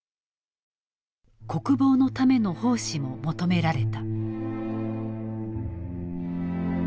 国防のための奉仕も求められた。